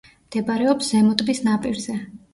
მდებარეობს ზემო ტბის ნაპირზე.